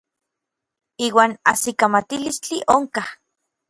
Iuan ajsikamatilistli onkaj.